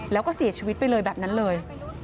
แล้วก็เสียชีวิตไปเลยแบบนั้นเลย